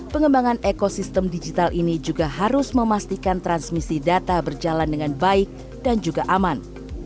pengembangan ekosistem digital ini juga harus memastikan transmisi data berjalan dengan baik dan juga aman